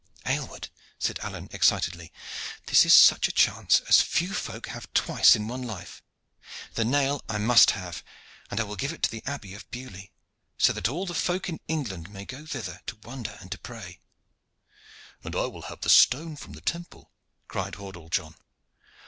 "Aylward," said Alleyne excitedly, "this is such a chance as few folk have twice in one life. The nail I must have, and I will give it to the abbey of Beaulieu, so that all the folk in England may go thither to wonder and to pray." "And I will have the stone from the temple," cried Hordle John.